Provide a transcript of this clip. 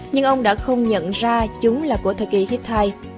nhưng ông đã không nhận ra chúng là của thời kỳ hittite